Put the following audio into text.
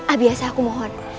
abiasa aku mohon